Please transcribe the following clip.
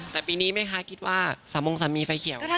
แต่ปีนี้ไหมคะคิดว่าสมงสมีย์ไฟเขียว